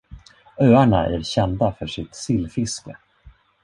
Öarna är kända för sitt sillfiske.